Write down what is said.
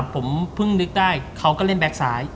ผมเพิ่งนึกได้เขาก็เล่นแก๊กซ้าย